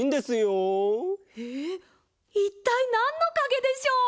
いったいなんのかげでしょう？